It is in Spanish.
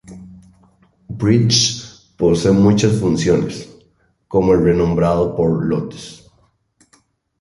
Bridge posee muchas funciones, como el renombrado por lotes.